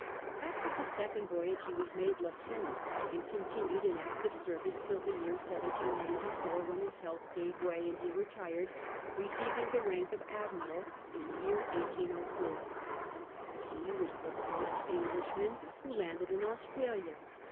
After his second voyage he was made lieutenant, and continued in active service till the year 1794, when his health gave way, and he retired, receiving the rank of admiral in the year 1804. Ho was the first Englishman who landed in Australia.